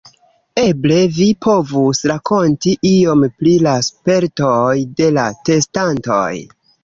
Eble vi povus rakonti iom pri la spertoj de la testantoj?